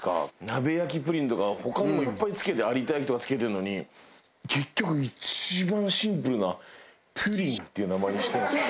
鍋焼プリンとか他にもいっぱい付けて「有田焼」とか付けてるのに結局一番シンプルな「プリン」っていう名前にしてるんですよ。